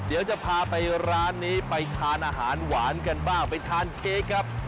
เดี๋ยวจะพาไปร้านนี้ไปทานอาหารหวานกันบ้างไปทานเค้กครับ